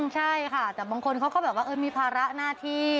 ใช่ค่ะแต่บางคนเขาก็แบบว่ามีภาระหน้าที่